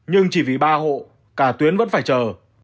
nhưng chỉ vì ba hộ cả tuyến vẫn phải chờ